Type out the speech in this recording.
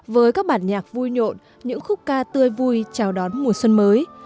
với các bản nhạc vui nhộn những khúc ca tươi vui chào đón mùa xuân mới